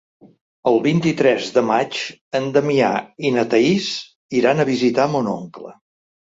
El vint-i-tres de maig en Damià i na Thaís iran a visitar mon oncle.